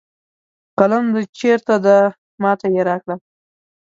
قلم د چېرته ده ما ته یې راکړه